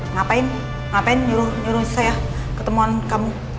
ngapain ngapain nyuruh nyuruh saya ketemuan kamu